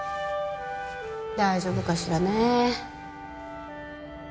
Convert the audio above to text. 大丈夫かしらね